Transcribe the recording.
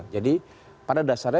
jadi pada dasarnya